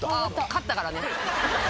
「勝ったからね」